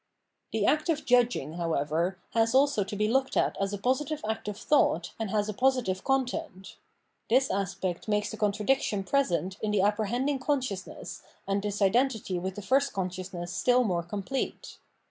The act of judging, however, has also to be looked at as a positive act of thought and has a positive con tent : this aspect makes the contradiction present in the apprehending consciousness and its identity with the fiimt consciousness still more complete.